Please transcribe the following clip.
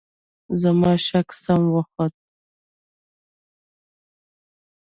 زما شک سم وخوت .